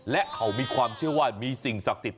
และเขามีความเชื่อว่ามีสิ่งศักดิ์สิทธิ